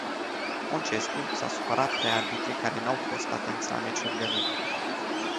Oncescu s-a supărat pe arbitrii care n-au fost atenți la meciurile lui.